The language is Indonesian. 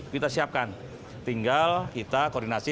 kita siapkan tinggal kita koordinasi